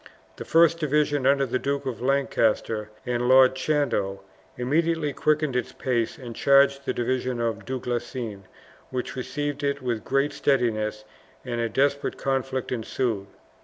The first division, under the Duke of Lancaster and Lord Chandos, immediately quickened its pace and charged the division of Du Guesclin, which received it with great steadiness, and a desperate conflict ensued.